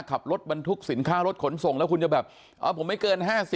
ขับรถบรรทุกสินค้ารถขนส่งแล้วคุณจะแบบผมไม่เกิน๕๐